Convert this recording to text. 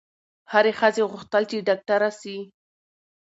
هري ښځي غوښتل چي ډاکټره سي